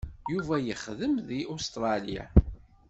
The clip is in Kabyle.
Yuba yexdem deg Ustṛalya.